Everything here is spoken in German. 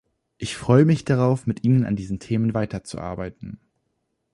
Ich freue mich darauf, mit Ihnen an diesen Themen weiterzuarbeiten.